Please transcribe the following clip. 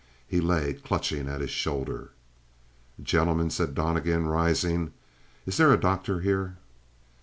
He lay clutching at his shoulder. "Gentlemen," said Donnegan, rising, "is there a doctor here?"